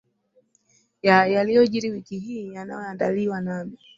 ya yaliojiri wiki hii yanayoandaliwa nami